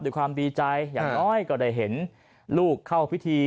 ด้วยความดีใจอย่างน้อยก็ได้เห็นลูกเข้าพิธี